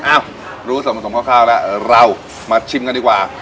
อ้าวรู้สมสมข้าวแล้วเรามาชิมกันดีกว่า